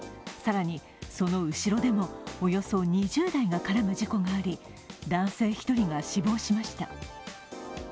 更に、その後ろでもおよそ２０台が絡む事故があり男性１人が死亡しました。